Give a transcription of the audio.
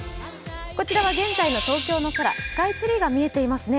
こちらは現在の東京の空、スカイツリーが見えていますね。